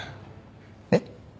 えっ？